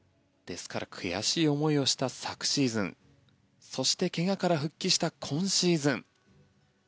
ですから悔しい思いをした昨シーズンそして怪我から復帰した今シーズン。